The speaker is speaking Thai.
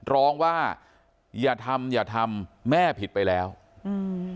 ร้องว่าอย่าทำอย่าทำแม่ผิดไปแล้วอืม